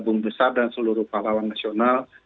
bum besar dan seluruh pahlawan nasional